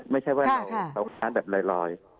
ไม่ใช่ว่าเราต่อการแบบลอย